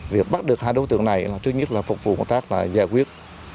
việc bắt được hai đối tượng này là thứ nhất là phục vụ công tác là giải quyết